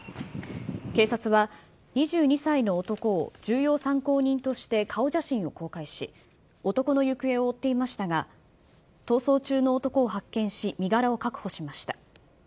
警察は、２２歳の男を重要参考人として顔写真を公開し、男の行方を追っていましたが、逃走中の男を発見し、身柄を確保しました。